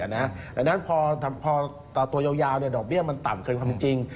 ดังนั้นพอตัวยาวดอกเบี้ยมันต่ำเกินความเป็นจริง